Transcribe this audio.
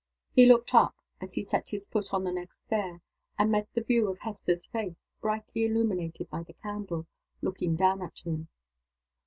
He looked up, as he set his foot on the next stair, and met the view of Hester's face, brightly illuminated by the candle, looking down at him.